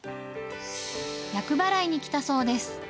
厄払いに来たそうです。